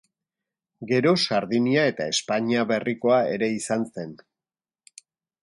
Gero Sardinia eta Espainia Berrikoa ere izan zen.